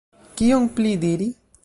Kion pli diri?